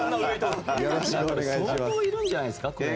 相当いるんじゃないですか。